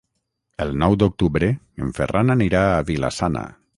El nou d'octubre en Ferran anirà a Vila-sana.